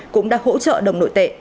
cũng đã hỗ trợ đồng nội tệ